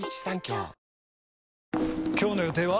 今日の予定は？